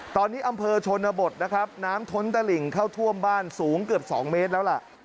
ตอนนี้อำเภอชนบทนะครับน้ำท้นตะหลิ่งเข้าท่วมบ้านสูงเกือบ๒เมตรแล้วล่ะ